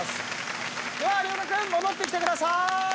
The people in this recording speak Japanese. では有岡君戻ってきてくださーい。